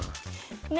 ね